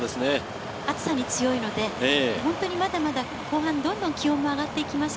暑さに強いので、まだまだ後半、どんどん気温が上がっていきます。